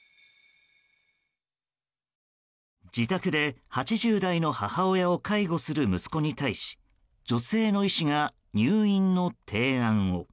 自宅で８０代の母親を介護する息子に対し女性の医師が、入院の提案を。